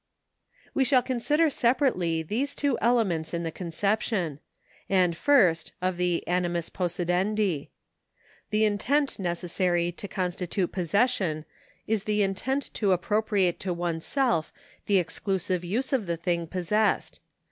We shall consider separately these two elements in the conception. And first of the animus possidendi. The intent necessary to constitute possession is the intent to appro priate to oneself the exclusive use of the thing possessed.